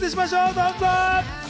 どうぞ！